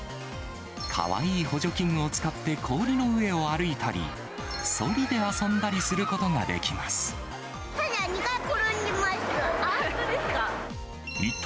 かわいい補助器具を使って氷の上を歩いたり、そりで遊んだりする２回転びました。